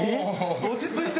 落ち着いて！